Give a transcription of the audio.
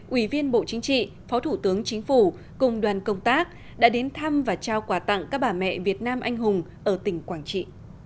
ủy viên bộ chính trị phó thủ tướng chính phủ cùng đoàn công tác đã đến thăm và trao quà tặng các bà mẹ việt nam anh hùng ở tỉnh quảng trị